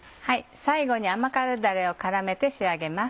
最後に甘辛だれを絡めて仕上げます。